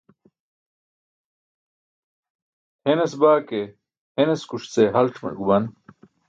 Henas baa ke henaskuṣ ce halc̣ guman.